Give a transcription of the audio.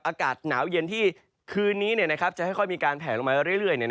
อากาศหนาวเย็นที่คืนนี้จะค่อยมีการแผลลงมาเรื่อย